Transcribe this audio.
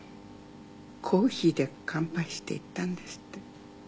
コーヒーで乾杯して行ったんですって。